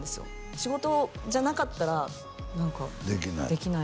仕事じゃなかったら何かできない？